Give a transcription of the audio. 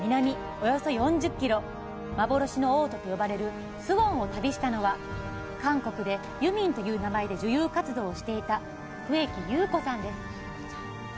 およそ４０ｋｍ幻の王都と呼ばれる水原を旅したのは韓国でユミンという名前で女優活動をしていた笛木優子さんです